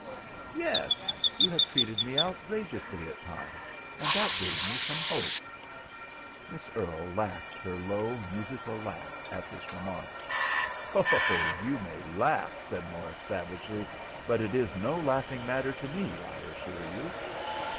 "Yes. You have treated me outrageously at times, and that gave me some hope." Miss Earle laughed her low, musical laugh at this remark. "Oh, you may laugh," said Morris, savagely; "but it is no laughing matter to me, I assure you."